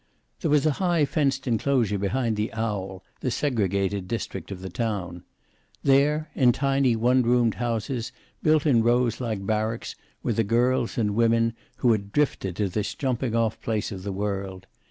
There was a high fenced enclosure behind the "Owl," the segregated district of the town. There, in tiny one roomed houses built in rows like barracks were the girls and women who had drifted to this jumping off place of the world.